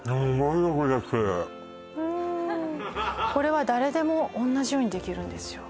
これは誰でも同じようにできるんですよ